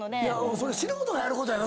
それ素人がやることやろ？